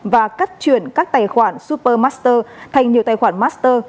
và cắt chuyển các tài khoản supermaster thành nhiều tài khoản master